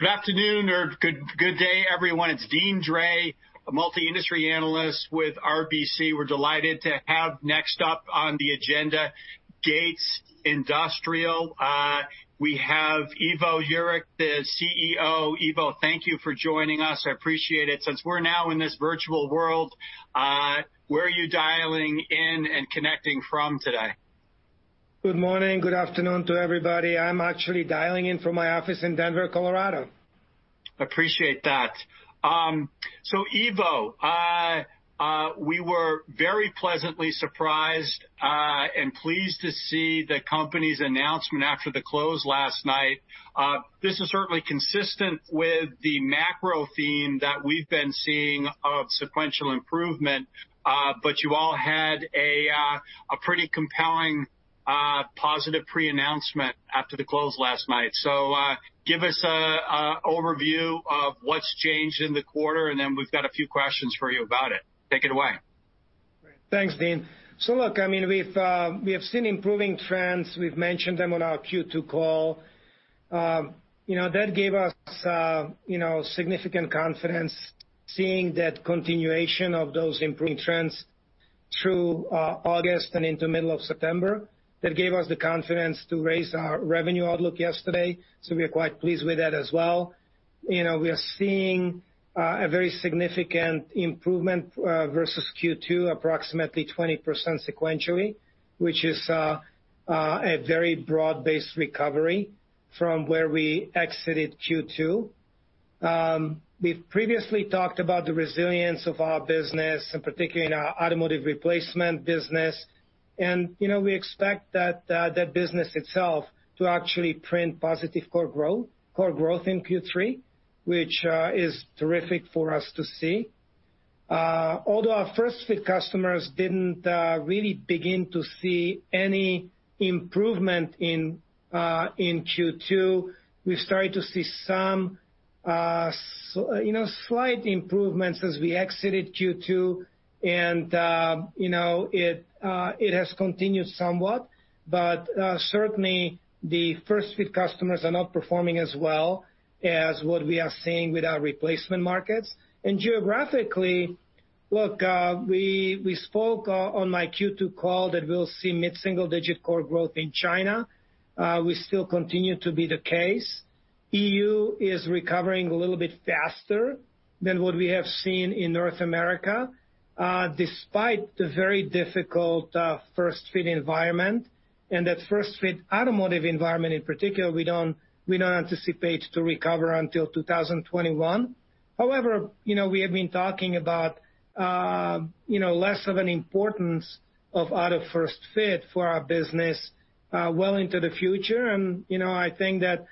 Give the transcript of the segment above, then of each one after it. To have next up on the agenda Gates Industrial. We have Ivo Jurek, the CEO. Ivo, thank you for joining us. I appreciate it. Since we're now in this virtual world, where are you dialing in and connecting from today? Good morning. Good afternoon to everybody. I'm actually dialing in from my office in Denver, Colorado. Appreciate that. Ivo, we were very pleasantly surprised, and pleased to see the company's announcement after the close last night. This is certainly consistent with the macro theme that we've been seeing of sequential improvement. You all had a pretty compelling, positive pre-announcement after the close last night. Give us an overview of what's changed in the quarter, and then we've got a few questions for you about it. Take it away. Great. Thanks, Dean. Look, I mean, we've, we have seen improving trends. We've mentioned them on our Q2 call. You know, that gave us, you know, significant confidence seeing that continuation of those improving trends through August and into the middle of September. That gave us the confidence to raise our revenue outlook yesterday. We are quite pleased with that as well. You know, we are seeing a very significant improvement, versus Q2, approximately 20% sequentially, which is a very broad-based recovery from where we exited Q2. We've previously talked about the resilience of our business, in particular in our automotive replacement business. And, you know, we expect that, that business itself to actually print positive core growth, core growth in Q3, which is terrific for us to see. Although our first fit customers did not really begin to see any improvement in Q2, we have started to see some, you know, slight improvements as we exited Q2. You know, it has continued somewhat. Certainly the first fit customers are not performing as well as what we are seeing with our replacement markets. Geographically, look, we spoke on my Q2 call that we will see mid-single-digit core growth in China. We still continue to be the case. Europe is recovering a little bit faster than what we have seen in North America, despite the very difficult first fit environment. That first fit automotive environment in particular, we do not anticipate to recover until 2021. However, you know, we have been talking about, you know, less of an importance of auto first fit for our business, well into the future. You know, I think that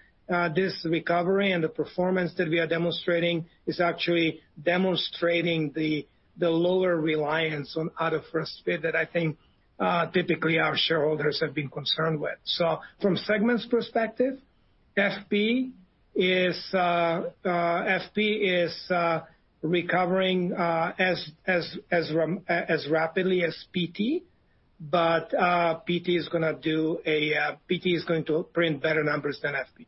this recovery and the performance that we are demonstrating is actually demonstrating the lower reliance on auto first fit that I think typically our shareholders have been concerned with. From segments perspective, FP is recovering as rapidly as PT. PT is going to print better numbers than FP.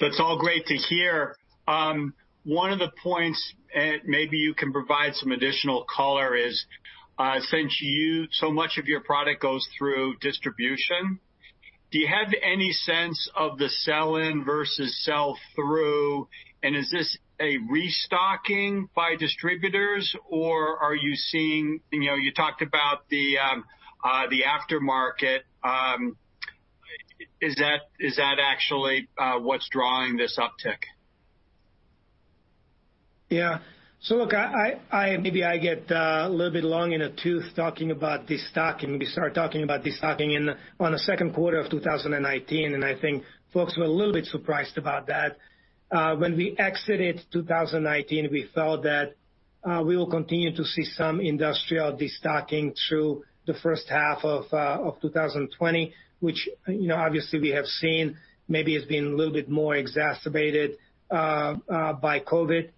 That's all great to hear. One of the points, and maybe you can provide some additional color, is, since you, so much of your product goes through distribution, do you have any sense of the sell-in versus sell-through? And is this a restocking by distributors, or are you seeing, you know, you talked about the, the aftermarket. Is that, is that actually what's drawing this uptick? Yeah. Look, I maybe get a little bit long in the tooth talking about destocking. We started talking about destocking in the second quarter of 2019, and I think folks were a little bit surprised about that. When we exited 2019, we felt that we would continue to see some industrial destocking through the first half of 2020, which, you know, obviously we have seen. Maybe it's been a little bit more exacerbated by COVID.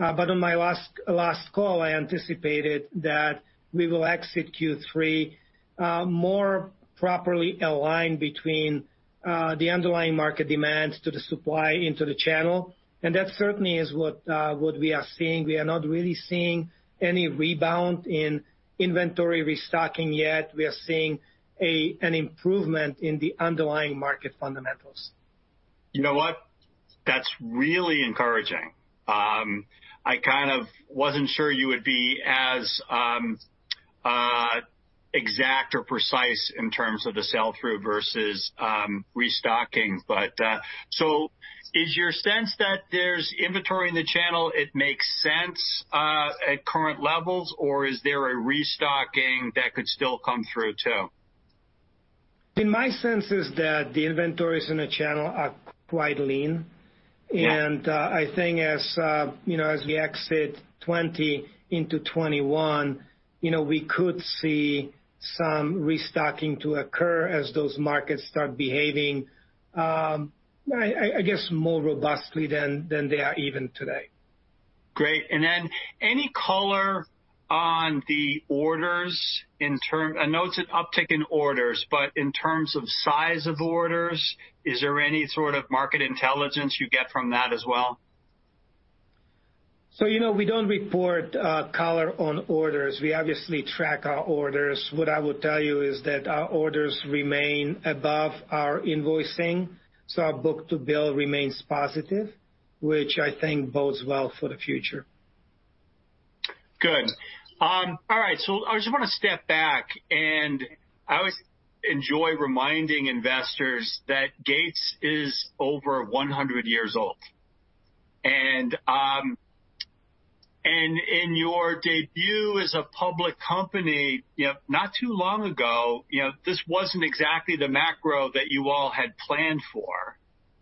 On my last call, I anticipated that we would exit Q3 more properly aligned between the underlying market demands and the supply into the channel. That certainly is what we are seeing. We are not really seeing any rebound in inventory restocking yet. We are seeing an improvement in the underlying market fundamentals. You know what? That's really encouraging. I kind of wasn't sure you would be as exact or precise in terms of the sell-through versus restocking. Is your sense that there's inventory in the channel? It makes sense at current levels, or is there a restocking that could still come through too? I mean, my sense is that the inventories in the channel are quite lean. I think as, you know, as we exit 2020 into 2021, you know, we could see some restocking to occur as those markets start behaving, I guess more robustly than they are even today. Great. Any color on the orders in term, I know it's an uptick in orders, but in terms of size of orders, is there any sort of market intelligence you get from that as well? You know, we do not report, color on orders. We obviously track our orders. What I would tell you is that our orders remain above our invoicing. So our book-to-bill remains positive, which I think bodes well for the future. Good. All right. I just wanna step back, and I always enjoy reminding investors that Gates is over 100 years old. And in your debut as a public company, you know, not too long ago, you know, this was not exactly the macro that you all had planned for.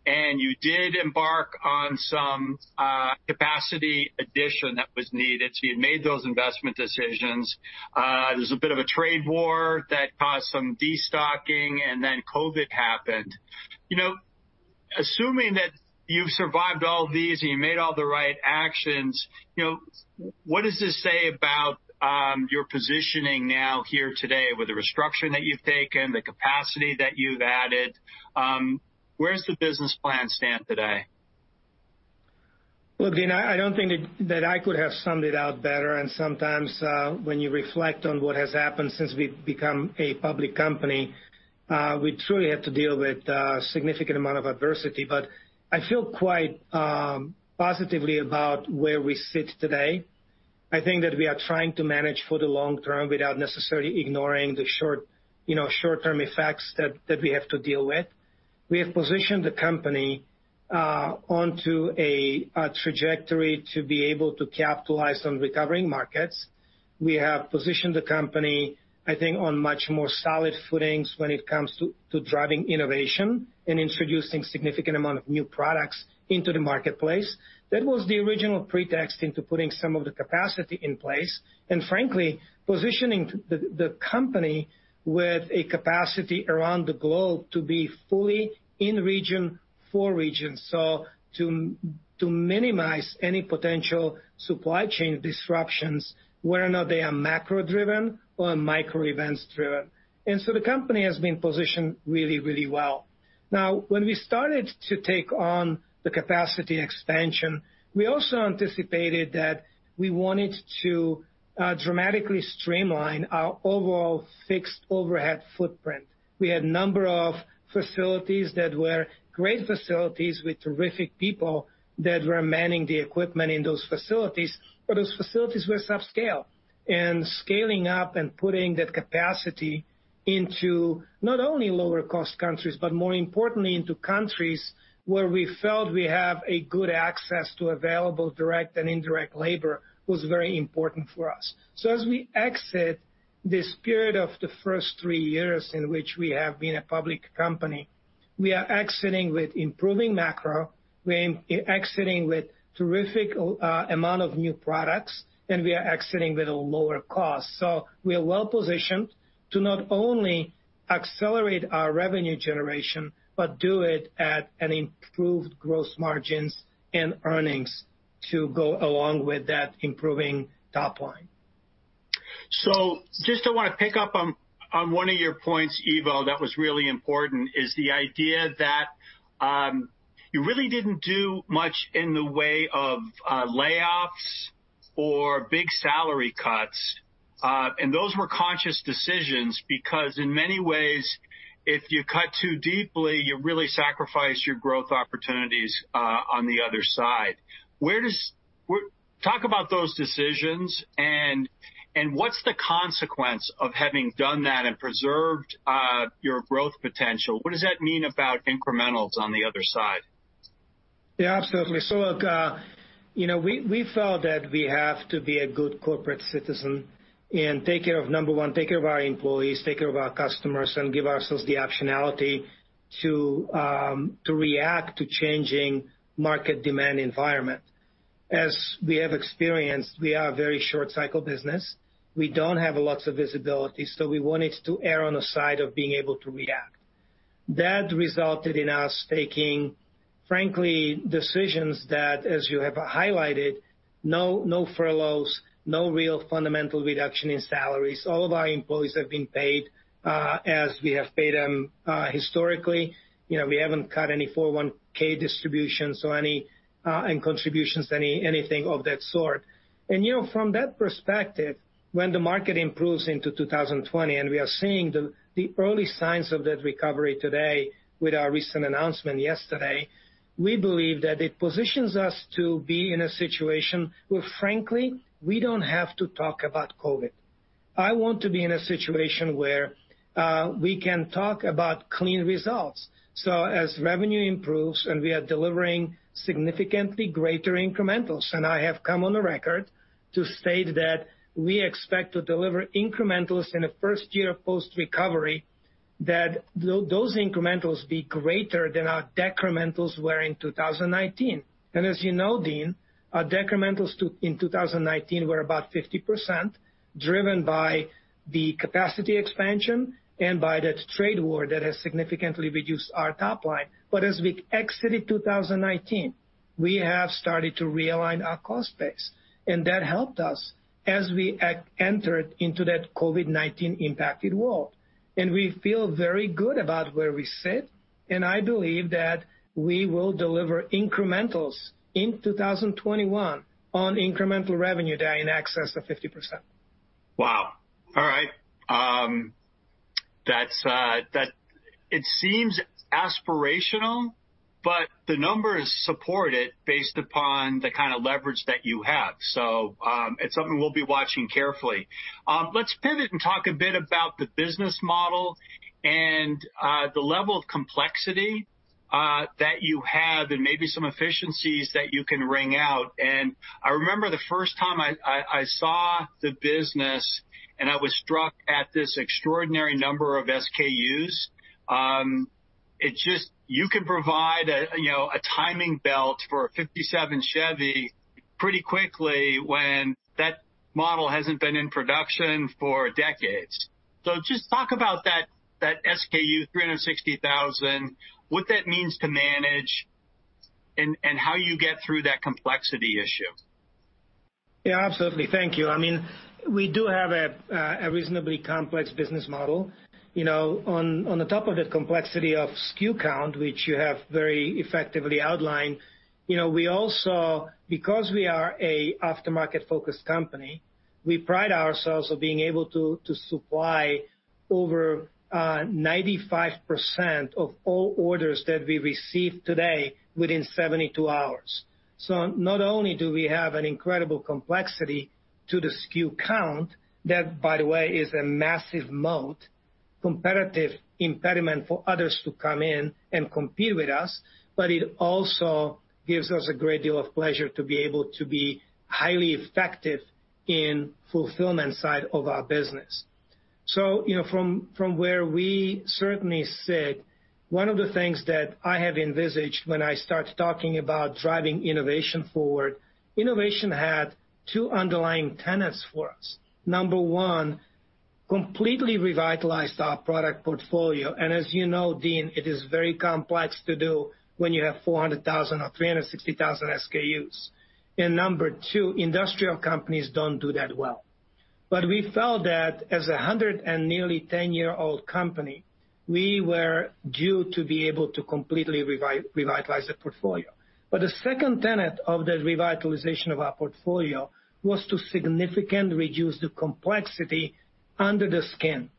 You did embark on some capacity addition that was needed. You made those investment decisions. There's a bit of a trade war that caused some destocking, and then COVID happened. You know, assuming that you've survived all these and you made all the right actions, you know, what does this say about your positioning now here today with the restructuring that you've taken, the capacity that you've added? Where's the business plan stand today? Look, Dean, I do not think that I could have summed it out better. Sometimes, when you reflect on what has happened since we have become a public company, we truly had to deal with a significant amount of adversity. I feel quite positively about where we sit today. I think that we are trying to manage for the long term without necessarily ignoring the short, you know, short-term effects that we have to deal with. We have positioned the company onto a trajectory to be able to capitalize on recovering markets. We have positioned the company, I think, on much more solid footings when it comes to driving innovation and introducing a significant amount of new products into the marketplace. That was the original pretext into putting some of the capacity in place. Frankly, positioning the company with a capacity around the globe to be fully in region for region, to minimize any potential supply chain disruptions, whether or not they are macro-driven or micro-events-driven, the company has been positioned really, really well. When we started to take on the capacity expansion, we also anticipated that we wanted to dramatically streamline our overall fixed overhead footprint. We had a number of facilities that were great facilities with terrific people that were manning the equipment in those facilities, but those facilities were subscale. Scaling up and putting that capacity into not only lower-cost countries, but more importantly, into countries where we felt we have good access to available direct and indirect labor was very important for us. As we exit this period of the first three years in which we have been a public company, we are exiting with improving macro. We are exiting with a terrific amount of new products, and we are exiting with a lower cost. We are well-positioned to not only accelerate our revenue generation, but do it at improved gross margins and earnings to go along with that improving top line. I just want to pick up on one of your points, Ivo, that was really important, is the idea that you really did not do much in the way of layoffs or big salary cuts. Those were conscious decisions because in many ways, if you cut too deeply, you really sacrifice your growth opportunities on the other side. As we talk about those decisions and what is the consequence of having done that and preserved your growth potential, what does that mean about incrementals on the other side? Yeah, absolutely. Look, you know, we felt that we have to be a good corporate citizen and take care of, number one, take care of our employees, take care of our customers, and give ourselves the optionality to react to changing market demand environment. As we have experienced, we are a very short-cycle business. We do not have lots of visibility. We wanted to err on the side of being able to react. That resulted in us taking, frankly, decisions that, as you have highlighted, no furloughs, no real fundamental reduction in salaries. All of our employees have been paid, as we have paid them historically. You know, we have not cut any 401(k) distributions or any contributions, anything of that sort. You know, from that perspective, when the market improves into 2020, and we are seeing the early signs of that recovery today with our recent announcement yesterday, we believe that it positions us to be in a situation where, frankly, we do not have to talk about COVID. I want to be in a situation where we can talk about clean results. As revenue improves and we are delivering significantly greater incrementals, and I have come on the record to state that we expect to deliver incrementals in the first year of post-recovery, that those incrementals be greater than our decrementals were in 2019. As you know, Dean, our decrementals in 2019 were about 50% driven by the capacity expansion and by that trade war that has significantly reduced our top line. As we exited 2019, we have started to realign our cost base. That helped us as we entered into that COVID-19 impacted world. We feel very good about where we sit. I believe that we will deliver incrementals in 2021 on incremental revenue that are in excess of 50%. Wow. All right. That seems aspirational, but the numbers support it based upon the kind of leverage that you have. It is something we will be watching carefully. Let's pivot and talk a bit about the business model and the level of complexity that you have and maybe some efficiencies that you can ring out. I remember the first time I saw the business and I was struck at this extraordinary number of SKUs. You can provide a, you know, a timing belt for a 1957 Chevy pretty quickly when that model has not been in production for decades. Just talk about that, that SKU 360,000, what that means to manage and how you get through that complexity issue. Yeah, absolutely. Thank you. I mean, we do have a reasonably complex business model. You know, on the top of the complexity of SKU count, which you have very effectively outlined, you know, we also, because we are an aftermarket-focused company, we pride ourselves on being able to supply over 95% of all orders that we receive today within 72 hours. Not only do we have an incredible complexity to the SKU count, that by the way is a massive moat, competitive impediment for others to come in and compete with us, but it also gives us a great deal of pleasure to be able to be highly effective in the fulfillment side of our business. You know, from where we certainly sit, one of the things that I have envisaged when I start talking about driving innovation forward, innovation had two underlying tenets for us. Number one, completely revitalized our product portfolio. As you know, Dean, it is very complex to do when you have 400,000 or 360,000 SKUs. Number two, industrial companies do not do that well. We felt that as a hundred and nearly 10-year-old company, we were due to be able to completely revitalize the portfolio. The second tenet of the revitalization of our portfolio was to significantly reduce the complexity under the skin.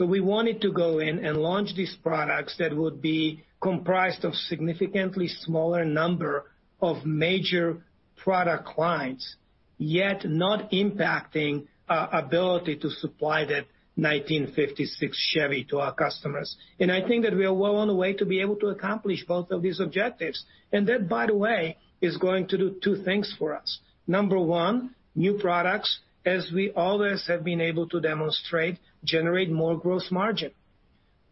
We wanted to go in and launch these products that would be comprised of a significantly smaller number of major product lines, yet not impacting our ability to supply that 1956 Chevy to our customers. I think that we are well on the way to be able to accomplish both of these objectives. That, by the way, is going to do two things for us. Number one, new products, as we always have been able to demonstrate, generate more gross margin.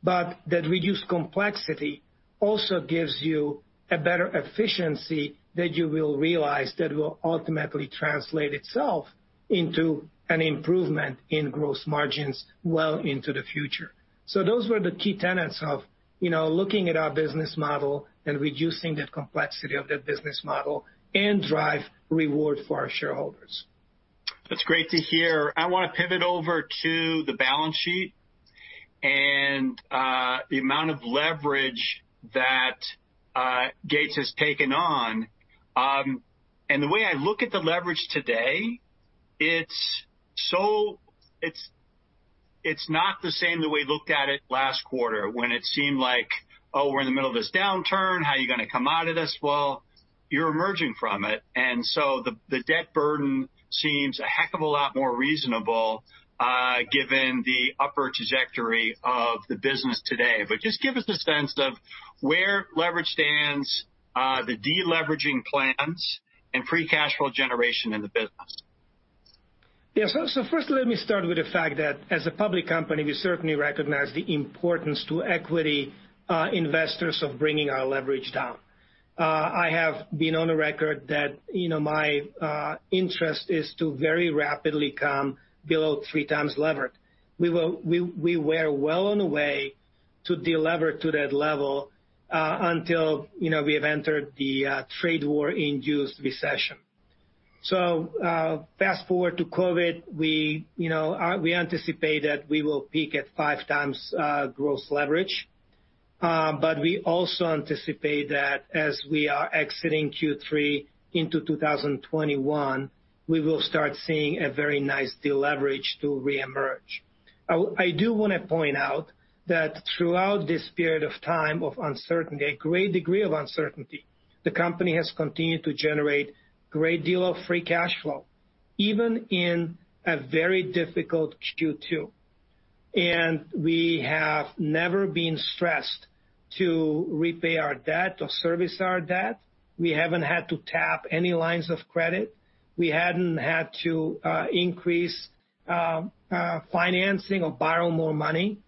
That reduced complexity also gives you a better efficiency that you will realize that will ultimately translate itself into an improvement in gross margins well into the future. Those were the key tenets of, you know, looking at our business model and reducing the complexity of that business model and drive reward for our shareholders. That's great to hear. I wanna pivot over to the balance sheet and the amount of leverage that Gates has taken on. The way I look at the leverage today, it's not the same the way we looked at it last quarter when it seemed like, oh, we're in the middle of this downturn. How are you gonna come out of this? You're emerging from it. The debt burden seems a heck of a lot more reasonable, given the upper trajectory of the business today. Just give us a sense of where leverage stands, the deleveraging plans, and free cash flow generation in the business. Yeah. First, let me start with the fact that as a public company, we certainly recognize the importance to equity investors of bringing our leverage down. I have been on the record that, you know, my interest is to very rapidly come below three times levered. We were well on the way to deleverage to that level, until, you know, we have entered the trade war-induced recession. Fast forward to COVID, we, you know, we anticipate that we will peak at five times gross leverage. We also anticipate that as we are exiting Q3 into 2021, we will start seeing a very nice deleverage to reemerge. I do wanna point out that throughout this period of time of uncertainty, a great degree of uncertainty, the company has continued to generate a great deal of free cash flow, even in a very difficult Q2. We have never been stressed to repay our debt or service our debt. We have not had to tap any lines of credit. We have not had to increase financing or borrow more money.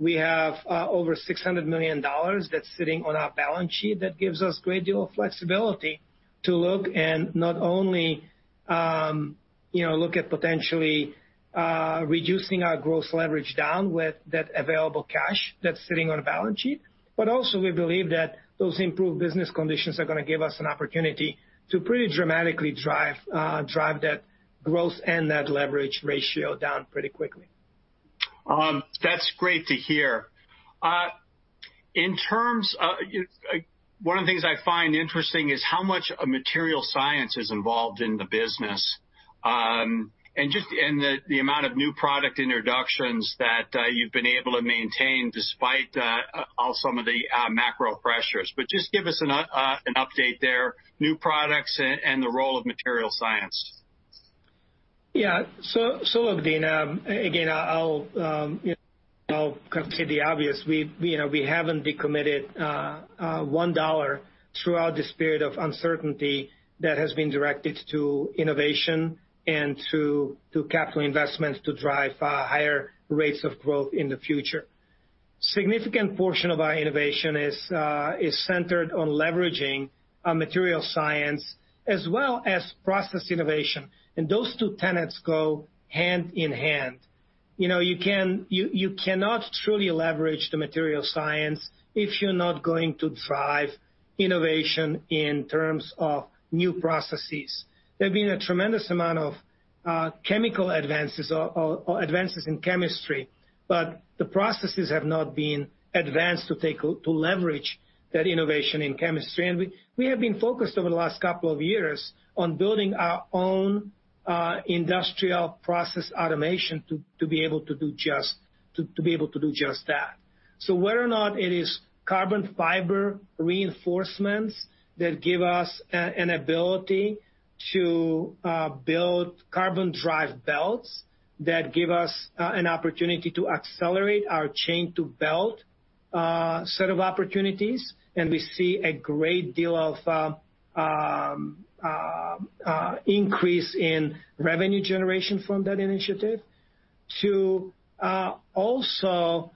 We have over $600 million that's sitting on our balance sheet that gives us a great deal of flexibility to look and not only, you know, look at potentially reducing our gross leverage down with that available cash that's sitting on a balance sheet, but also we believe that those improved business conditions are gonna give us an opportunity to pretty dramatically drive that gross and that leverage ratio down pretty quickly. That's great to hear. In terms of, one of the things I find interesting is how much material science is involved in the business, and just, and the amount of new product introductions that you've been able to maintain despite all some of the macro pressures. Just give us an update there, new products and the role of material science. Yeah. Look, Dean, again, I'll, you know, I'll kind of say the obvious. We, you know, we haven't decommitted $1 throughout this period of uncertainty that has been directed to innovation and to capital investments to drive higher rates of growth in the future. Significant portion of our innovation is centered on leveraging material science as well as process innovation. Those two tenets go hand in hand. You know, you cannot truly leverage the material science if you're not going to drive innovation in terms of new processes. There have been a tremendous amount of chemical advances or advances in chemistry, but the processes have not been advanced to leverage that innovation in chemistry. We have been focused over the last couple of years on building our own industrial process automation to be able to do just that. Whether or not it is carbon fiber reinforcements that give us an ability to build carbon drive belts that give us an opportunity to accelerate our chain to belt set of opportunities, we see a great deal of increase in revenue generation from that initiative. Also,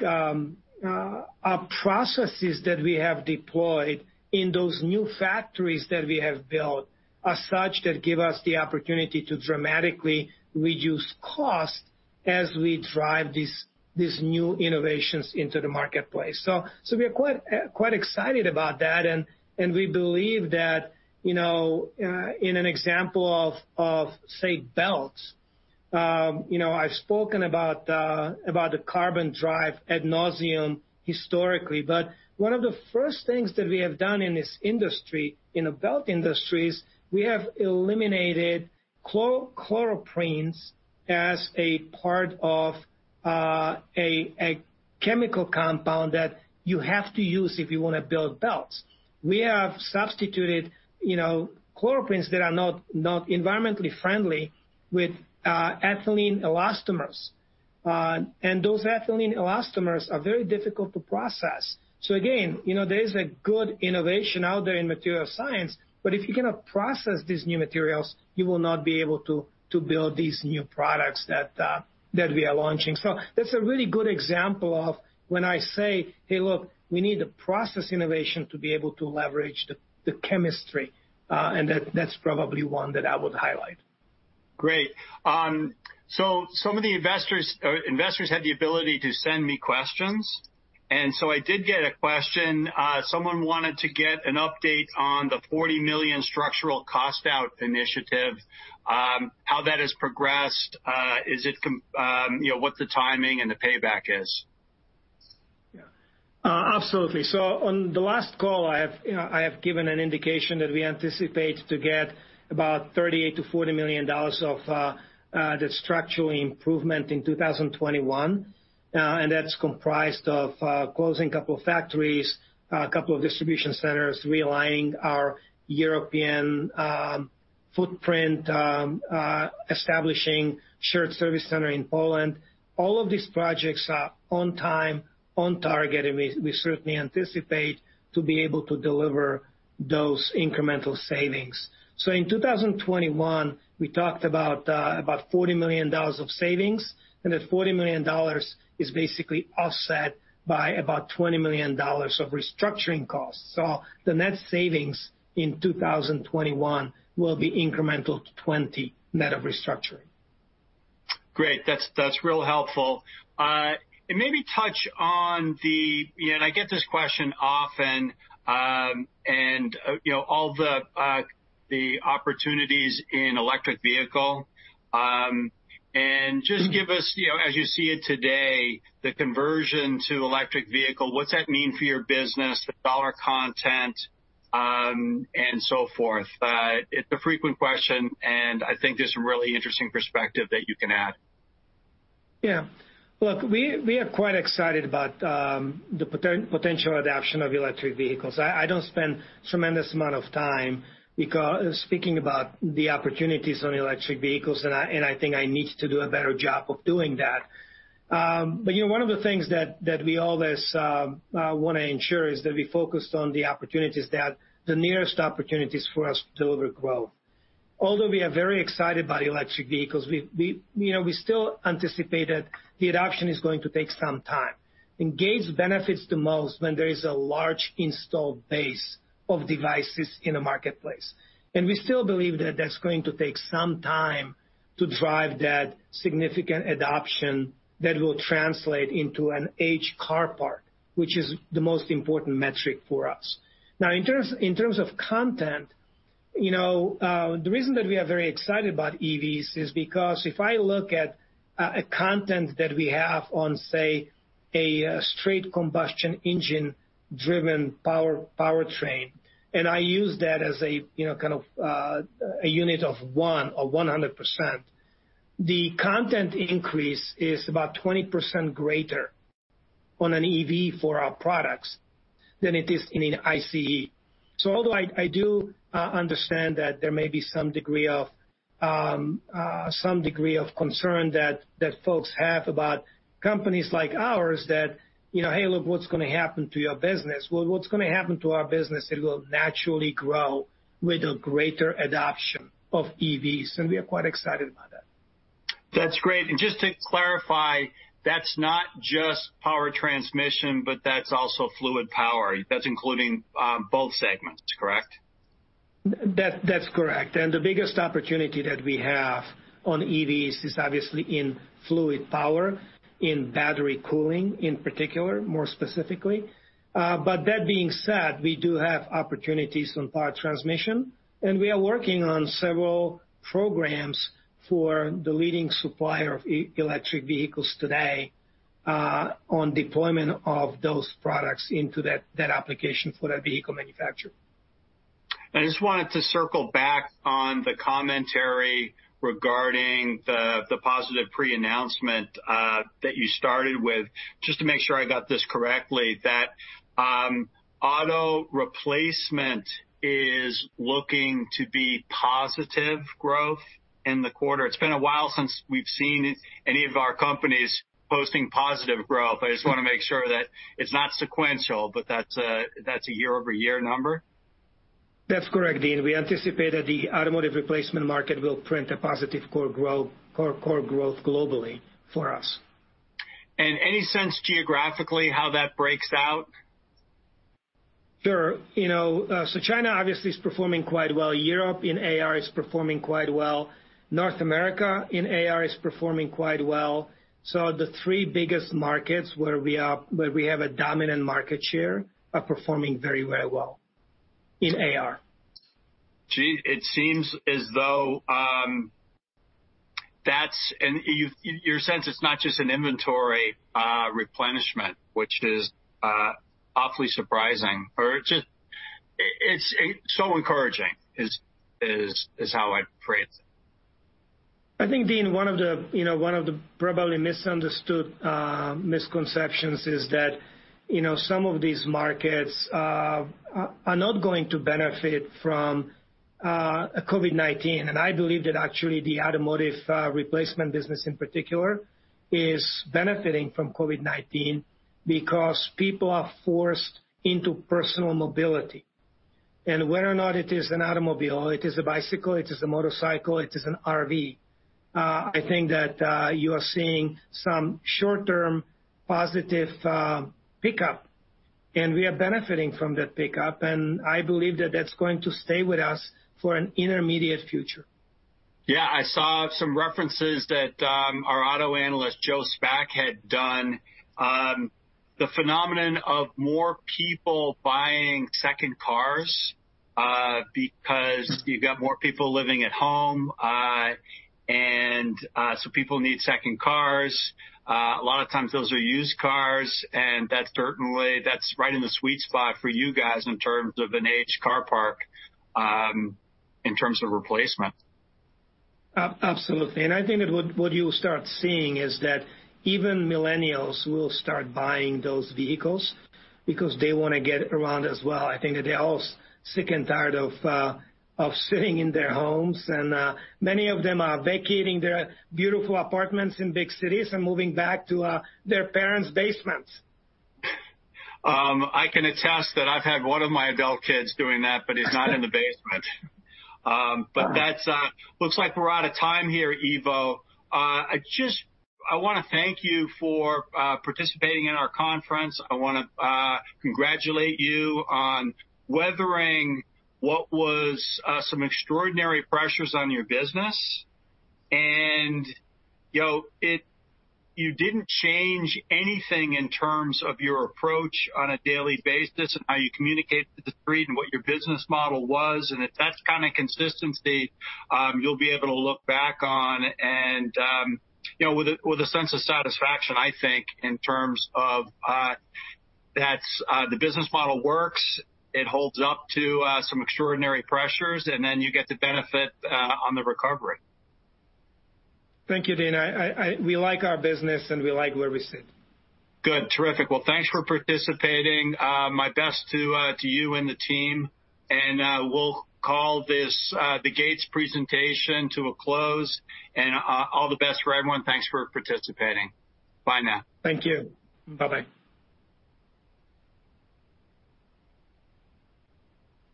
our processes that we have deployed in those new factories that we have built are such that give us the opportunity to dramatically reduce cost as we drive these new innovations into the marketplace. We are quite excited about that. We believe that, you know, in an example of, of, say, belts, you know, I've spoken about, about the carbon drive ad nauseam historically. One of the first things that we have done in this industry, in the belt industry, is we have eliminated chloro prints as a part of a chemical compound that you have to use if you want to build belts. We have substituted, you know, chloro prints that are not, not environmentally friendly with ethylene elastomers. Those ethylene elastomers are very difficult to process. Again, you know, there is a good innovation out there in material science, but if you cannot process these new materials, you will not be able to, to build these new products that, that we are launching. That is a really good example of when I say, hey, look, we need the process innovation to be able to leverage the chemistry. That is probably one that I would highlight. Great. Some of the investors or investors had the ability to send me questions. I did get a question. Someone wanted to get an update on the $40 million structural cost out initiative, how that has progressed. Is it, you know, what the timing and the payback is? Yeah, absolutely. On the last call, I have, you know, I have given an indication that we anticipate to get about $38 million-$40 million of that structural improvement in 2021. That is comprised of closing a couple of factories, a couple of distribution centers, realigning our European footprint, establishing shared service center in Poland. All of these projects are on time, on target, and we certainly anticipate to be able to deliver those incremental savings. In 2021, we talked about about $40 million of savings, and that $40 million is basically offset by about $20 million of restructuring costs. The net savings in 2021 will be incremental to $20 million net of restructuring. Great. That's, that's real helpful. Maybe touch on the, you know, and I get this question often, and, you know, all the, the opportunities in electric vehicle. Just give us, you know, as you see it today, the conversion to electric vehicle, what's that mean for your business, the dollar content, and so forth. It's a frequent question, and I think there's some really interesting perspective that you can add. Yeah. Look, we are quite excited about the potential adoption of electric vehicles. I do not spend a tremendous amount of time speaking about the opportunities on electric vehicles, and I think I need to do a better job of doing that. You know, one of the things that we always want to ensure is that we are focused on the opportunities that are the nearest opportunities for us to deliver growth. Although we are very excited by electric vehicles, we still anticipate that the adoption is going to take some time. Gates benefits the most when there is a large installed base of devices in the marketplace. We still believe that is going to take some time to drive that significant adoption that will translate into an age car part, which is the most important metric for us. Now, in terms of content, you know, the reason that we are very excited about EVs is because if I look at a content that we have on, say, a straight combustion engine-driven power, powertrain, and I use that as a, you know, kind of, a unit of one or 100%, the content increase is about 20% greater on an EV for our products than it is in an ICE. So although I do understand that there may be some degree of, some degree of concern that folks have about companies like ours that, you know, hey, look, what's gonna happen to your business? What's gonna happen to our business? It will naturally grow with a greater adoption of EVs. You know, we are quite excited about that. That's great. Just to clarify, that's not just power transmission, but that's also fluid power. That's including both segments, correct? That is correct. The biggest opportunity that we have on EVs is obviously in fluid power, in battery cooling in particular, more specifically. That being said, we do have opportunities on power transmission, and we are working on several programs for the leading supplier of electric vehicles today, on deployment of those products into that application for that vehicle manufacturer. I just wanted to circle back on the commentary regarding the positive pre-announcement that you started with, just to make sure I got this correctly, that auto replacement is looking to be positive growth in the quarter. It's been a while since we've seen any of our companies posting positive growth. I just wanna make sure that it's not sequential, but that's a year-over-year number. That's correct, Dean. We anticipate that the automotive replacement market will print a positive core growth, core, core growth globally for us. have any sense geographically how that breaks out? Sure. You know, China obviously is performing quite well. Europe in AR is performing quite well. North America in AR is performing quite well. The three biggest markets where we are, where we have a dominant market share are performing very, very well in AR. Gee, it seems as though that's an, you, your sense it's not just an inventory replenishment, which is awfully surprising or just, it's so encouraging is how I'd phrase it. I think, Dean, one of the, you know, probably misunderstood misconceptions is that, you know, some of these markets are not going to benefit from COVID-19. I believe that actually the automotive replacement business in particular is benefiting from COVID-19 because people are forced into personal mobility. Whether or not it is an automobile, it is a bicycle, it is a motorcycle, it is an RV, I think that you are seeing some short-term positive pickup, and we are benefiting from that pickup. I believe that that's going to stay with us for an intermediate future. Yeah. I saw some references that our auto analyst, Joe Spack, had done, the phenomenon of more people buying second cars, because you've got more people living at home. People need second cars. A lot of times those are used cars, and that's certainly, that's right in the sweet spot for you guys in terms of an age car park, in terms of replacement. Absolutely. I think that what you'll start seeing is that even millennials will start buying those vehicles because they wanna get around as well. I think that they're all sick and tired of sitting in their homes. Many of them are vacating their beautiful apartments in big cities and moving back to their parents' basements. I can attest that I've had one of my adult kids doing that, but he's not in the basement. That looks like we're out of time here, Ivo. I just want to thank you for participating in our conference. I want to congratulate you on weathering what was some extraordinary pressures on your business. You know, you didn't change anything in terms of your approach on a daily basis and how you communicate to the street and what your business model was. If that's the kind of consistency you'll be able to look back on, you know, with a sense of satisfaction, I think, in terms of the business model works, it holds up to some extraordinary pressures, and then you get to benefit on the recovery. Thank you, Dean. I, I, we like our business and we like where we sit. Good. Terrific. Thanks for participating. My best to you and the team. We will call this the Gates presentation to a close. All the best for everyone. Thanks for participating. Bye now. Thank you. Bye-bye.